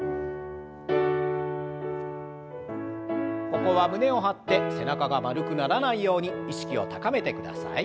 ここは胸を張って背中が丸くならないように意識を高めてください。